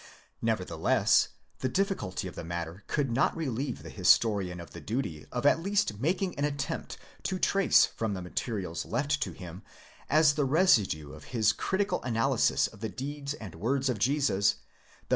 Nevertheless the diffi culty of the matter could not relieve the historian of the duty of at least making δὴ attempt to trace from the materials left to him, as the residue of his critical analysis of the deeds and words of Jesus, the ΧΧ INTRODUCTION.